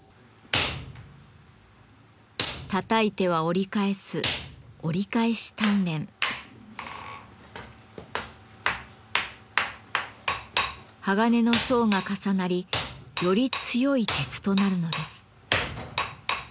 たたいては折り返す鋼の層が重なりより強い鉄となるのです。